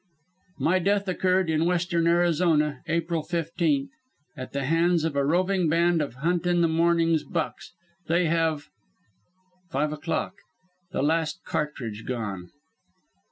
"My death occurred in western Arizona, April 15th, at the hands of a roving band of Hunt in the Morning's bucks. They have "Five o'clock. The last cartridge gone.